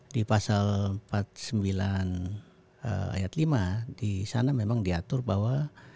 di pasal empat puluh sembilan ayat lima di sana memang diatur bahwa